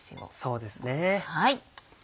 そうですね。